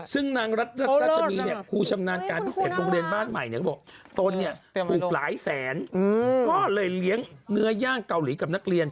ย่างเกาหลีกับนักเรียนครูทั้งหมดนักเรียนร้อยห้าสิบคนครูสิบเก้าห้าคนนี่ไม่ใช่หมูท้าน้าเนื้อย่างเกาหลีเดิม